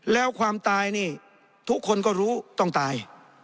แล้วความตายนี่ทุกคนก็รู้ต้องตาย